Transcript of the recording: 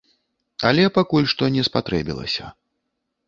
Але пакуль што не спатрэбілася.